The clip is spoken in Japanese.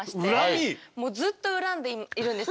もうずっと恨んでいるんですよ。